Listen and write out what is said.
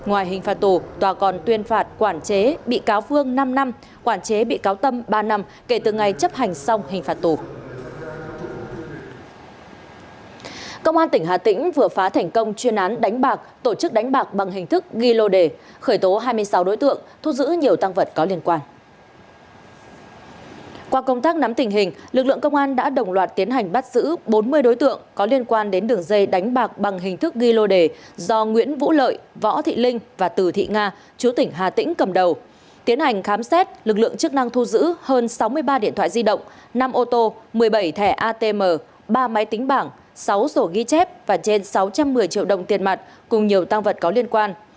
năm ô tô một mươi bảy thẻ atm ba máy tính bảng sáu sổ ghi chép và trên sáu trăm một mươi triệu đồng tiền mặt cùng nhiều tăng vật có liên quan